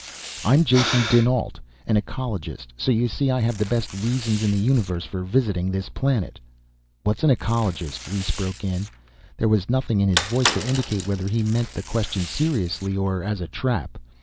"I'm Jason dinAlt, an ecologist, so you see I have the best reasons in the universe for visiting this planet " "What is an ecologist?" Rhes broke in. There was nothing in his voice to indicate whether he meant the question seriously, or as a trap.